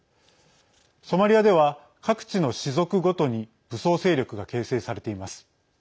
ソマリアでは各地の氏族ごとに武装勢力が形成されています。